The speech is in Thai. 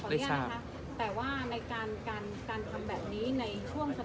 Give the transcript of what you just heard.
แต่ว่าการทำแบบนี้ในช่วงสถานการณ์ที่มันสูงเสี่ยง